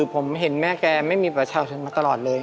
ผมเห็นแม่แกไม่มีประชาชนมาตลอดเลย